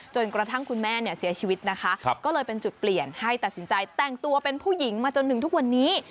จนกระทั่งคุณแม่เนี่ยเสียชีวิตนะคะก็เลยเป็นจุดเปลี่ยนให้ตัดสินใจแต่งตัวเป็นผู้หญิงมาจนถึงทุกวันนี้